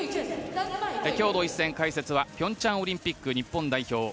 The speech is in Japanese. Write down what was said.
きょうの一戦、解説はピョンチャンオリンピック日本代表